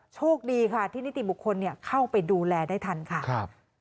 โชคดีค่ะที่นิติบุคคลเนี่ยเข้าไปดูแลใดทันค่ะ